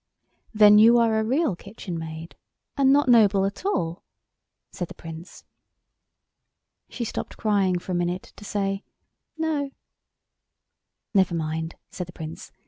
"Then you are a Real Kitchen maid, and not noble at all?" said the Prince. She stopped crying for a minute to say "No." "Never mind," said the Prince.